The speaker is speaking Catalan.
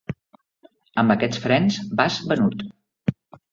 Amb aquests frens vas venut.